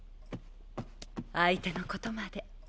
相手のことまで。